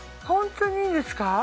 ホントにいいんですか？